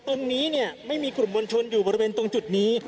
ตรงนี้ไม่มีกลุ่มมวลชนอยู่บริเวณตรงจุดนี้